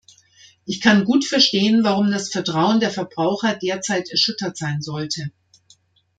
Ich kann gut verstehen, warum das Vertrauen der Verbraucher derzeit erschüttert sein sollte.